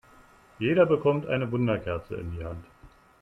Jeder bekommt eine Wunderkerze in die Hand.